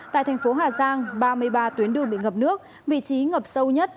tại thành phố hà giang ba mươi ba tuyến đường bị ngập nước vị trí ngập sâu nhất